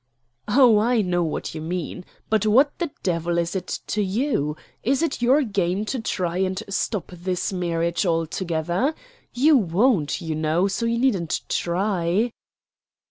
"Oh, I know what you mean. But what the devil is it to you? Is it your game to try and stop this marriage altogether? You won't, you know, so you needn't try."